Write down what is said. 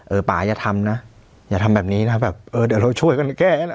ป่าอย่าทำนะอย่าทำแบบนี้นะแบบเออเดี๋ยวเราช่วยกันแก้นะ